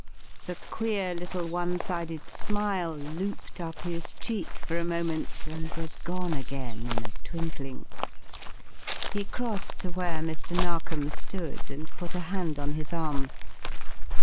The queer little one sided smile looped up his cheek for a moment and was gone again in a twinkling. He crossed to where Mr. Narkom stood, and put a hand on his arm.